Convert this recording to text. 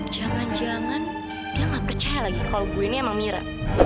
jangan jangan dia gak percaya lagi kalau gue ini emang mira